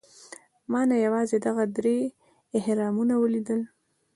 ما نه یوازې دغه درې اهرامونه ولیدل.